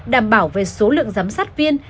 đảm bảo về số lượng giám sát viên